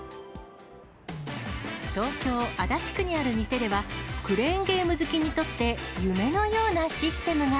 東京・足立区にある店では、クレーンゲーム好きにとって夢のようなシステムが。